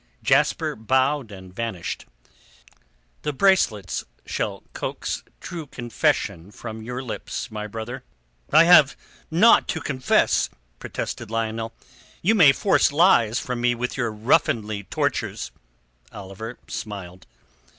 Jasper bowed and vanished. "The bracelets shall coax confession from your own lips, my brother." "I have naught to confess," protested Lionel. "You may force lies from me with your ruffianly tortures." Oliver smiled.